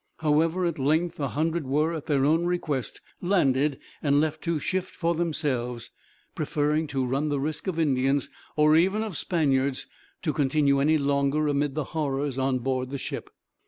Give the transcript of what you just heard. However, at length a hundred were, at their own request, landed and left to shift for themselves, preferring to run the risk of Indians, or even of Spaniards, to continue any longer amid the horrors on board the ship.